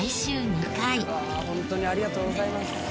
ホントにありがとうございます。